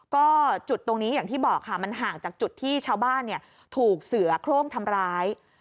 ก็จุดตรงนี้อย่างที่บอกค่ะมันห่างจากจุดที่ชาวบ้านถูกเสือโครงทำร้าย